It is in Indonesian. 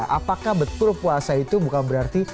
apakah betul puasa itu bukan berarti